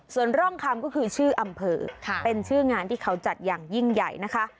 ส่วนร่องคำก็คือชื่ออำเภอเป็นชื่องานที่เขาจัดอย่างยิ่งใหญ่นะคะ